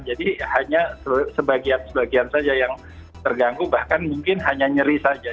jadi hanya sebagian sebagian saja yang terganggu bahkan mungkin hanya nyeri saja